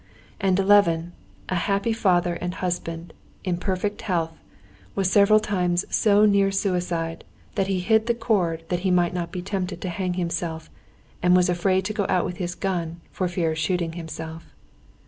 And Levin, a happy father and husband, in perfect health, was several times so near suicide that he hid the cord that he might not be tempted to hang himself, and was afraid to go out with his gun for fear of shooting himself.